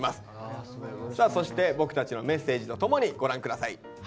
さあそして僕たちのメッセージとともにご覧下さい。